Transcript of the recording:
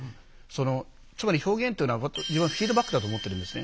つまり表現っていうのは自分はフィードバックだと思ってるんですね。